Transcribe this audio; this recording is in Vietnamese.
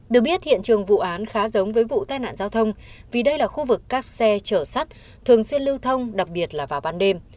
được biết hiện trường vụ án khá giống với vụ tai nạn giao thông vì đây là khu vực các xe chở sắt thường xuyên lưu thông đặc biệt là vào ban đêm